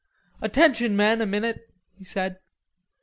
"Attention, men, a minute," he said.